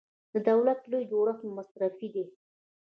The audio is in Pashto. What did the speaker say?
د دولت لوی جوړښت مصرفي دی.